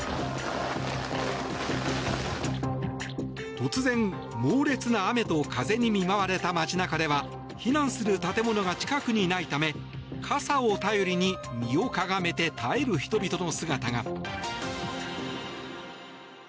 突然、猛烈な雨と風に見舞われた街中では避難する建物が近くにないため傘を頼りに身をかがめて耐える人々の姿が。